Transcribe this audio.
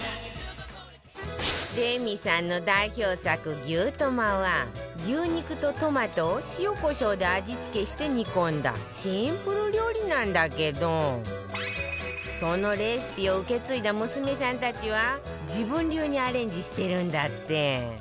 レミさんの代表作牛トマは牛肉とトマトを塩コショウで味付けして煮込んだシンプル料理なんだけどそのレシピを受け継いだ娘さんたちは自分流にアレンジしてるんだって